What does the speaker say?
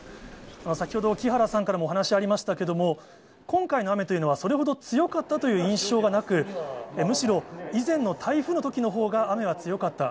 先ほど木原さんからもお話ありましたけれども、今回の雨というのは、それほど強かったという印象がなく、むしろ、以前の台風のときのほうが雨は強かった。